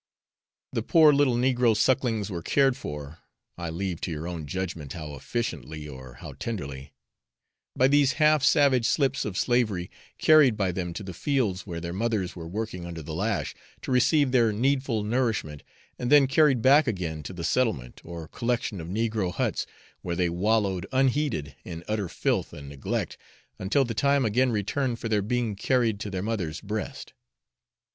The poor little negro sucklings were cared for (I leave to your own judgement how efficiently or how tenderly) by these half savage slips of slavery carried by them to the fields where their mothers were working under the lash, to receive their needful nourishment, and then carried back again to the 'settlement,' or collection of negro huts, where they wallowed unheeded in utter filth and neglect until the time again returned for their being carried to their mother's breast.